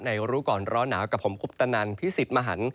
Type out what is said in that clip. รู้ก่อนร้อนหนาวกับผมคุปตนันพิสิทธิ์มหัน